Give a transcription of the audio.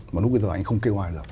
mà lúc bây giờ anh không kêu ai được